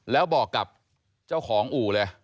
แล้วบอกกับเจ้าของอู่เลย